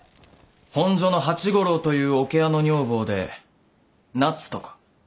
本所の八五郎という桶屋の女房でなつとか。